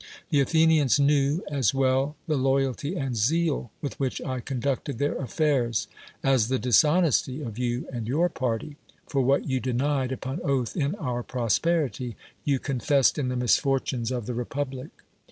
The Athenians knew as well the loy alty and zeal with which I conducted their af fairs, as the dishonesty of you and your party; for what you denied upon oath in our prosperity, you confessed in the misfortunes of the repub lic.